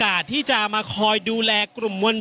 อย่างที่บอกไปว่าเรายังยึดในเรื่องของข้อ